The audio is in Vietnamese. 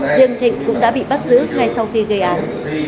riêng thịnh cũng đã bị bắt giữ ngay sau khi gây án